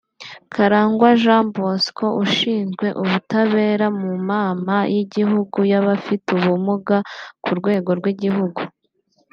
Karangwa Jeano Bosco ushinzwe ubutabera mu Mama y’igihugu y’abafite ubumuga ku rwego rw’igihugu